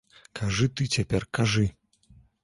Кажы ты цяпер, кажы.